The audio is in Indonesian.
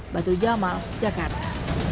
batu jamal jakarta